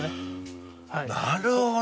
なるほど。